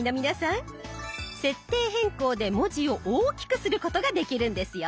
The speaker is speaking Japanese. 設定変更で文字を大きくすることができるんですよ。